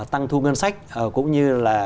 tăng thu ngân sách